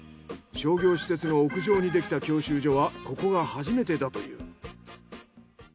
商業施設の屋上にできた教習所はここが初めてだという。